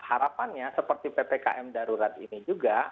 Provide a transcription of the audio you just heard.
harapannya seperti ppkm darurat ini juga